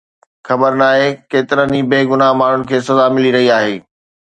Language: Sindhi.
خبر ناهي ڪيترين بيگناهه ماڻهن کي سزا ملي رهي آهي